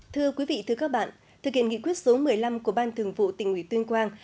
thưa quý vị thưa các bạn thực hiện nghị quyết số một mươi năm của ban thường vụ tỉnh ủy tuyên quang